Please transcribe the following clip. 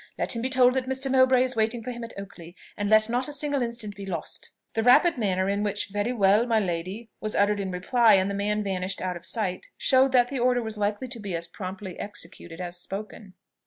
Let him be told that Mr. Mowbray is waiting for him at Oakley and let not a single instant be lost." The rapid manner in which "Very well, my lady," was uttered in reply, and the man vanished out of sight, showed that the order was likely to be as promptly executed as spoken.